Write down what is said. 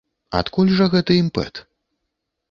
Адкуль жа гэты імпэт?